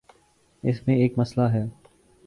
اس میں ایک مسئلہ ہے۔